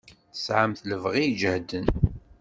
Tesɛamt lebɣi ijehden.